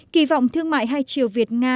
kỳ vọng thương mại hai triệu việt nga